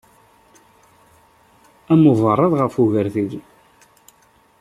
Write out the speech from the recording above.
Am uberriḍ ɣef ugertil.